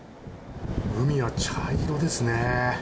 海が茶色ですね。